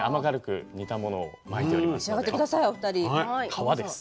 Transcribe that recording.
皮です。